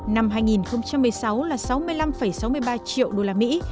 năm hai nghìn một mươi sáu là sáu mươi năm sáu mươi ba triệu đô la mỹ